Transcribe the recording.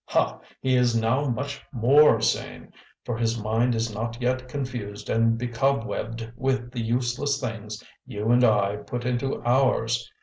Ha! he is now much MORE sane, for his mind is not yet confused and becobwebbed with the useless things you and I put into ours.